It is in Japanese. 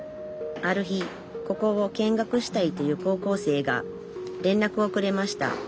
ある日ここを見学したいという高校生がれんらくをくれました。